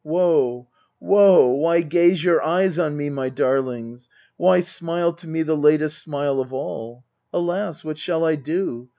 Woe ! woe ! why gaze your eyes on me, my darlings? Why smile to me the latest smile of all? Alas! what shall I do?